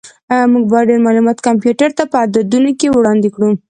موږ باید معلومات کمپیوټر ته په عددونو کې وړاندې کړو.